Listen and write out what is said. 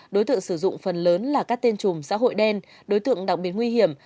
đối tượng sử dụng phần lớn là các tên chùm xã hội đen đối tượng đọc biến nguy hiểm